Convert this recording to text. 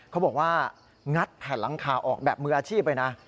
เขาบอกว่างัดแผ่นหลังคาออกแบบมืออาชีพเลยนะ